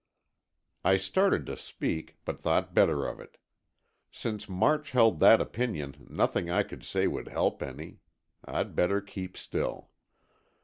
I started to speak, but thought better of it. Since March held that opinion nothing I could say would help any. I'd better keep still.